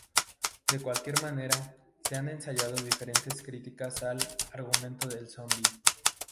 De cualquier manera, se han ensayado diferentes críticas al "argumento del zombi".